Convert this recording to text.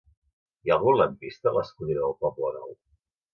Hi ha algun lampista a la escullera del Poblenou?